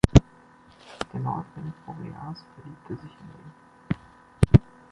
Der Nordwind Boreas verliebte sich in sie.